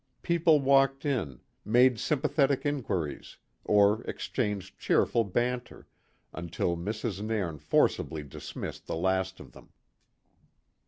People walked in, made sympathetic inquiries, or exchanged cheerful banter, until Mrs. Nairn forcibly dismissed the last of them.